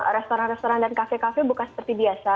restoran restoran dan kafe kafe buka seperti biasa